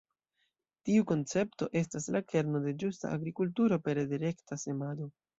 Tiu koncepto estas la kerno de ĝusta agrikulturo pere de rekta semado.